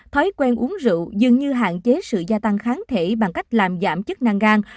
thói quen uống rượu dường như hạn chế sự gia tăng kháng thể bằng cách làm giảm chức năng gan